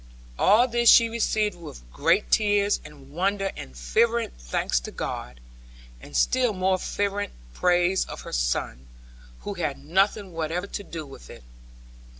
All this she received with great tears, and wonder, and fervent thanks to God, and still more fervent praise of her son, who had nothing whatever to do with it.